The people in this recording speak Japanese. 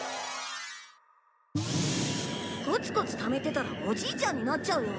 コツコツためてたらおじいちゃんになっちゃうよ。